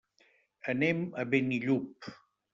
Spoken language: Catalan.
Anem a Benillup.